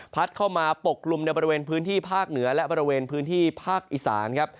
เข้ามาปกกลุ่มในบริเวณพื้นที่ภาคเหนือและบริเวณพื้นที่ภาคอีสานครับ